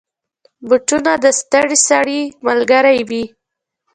بوټونه د ستړي سړي ملګری وي.